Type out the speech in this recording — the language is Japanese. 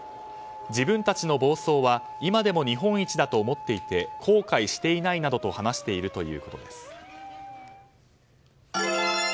自分たちの暴走は今でも日本一だと思っていて後悔していないなどと話しているということです。